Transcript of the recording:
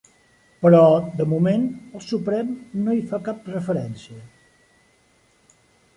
Però de moment el Suprem no hi fa cap referència.